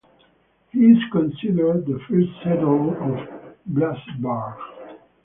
He is considered the first settler of Blossburg.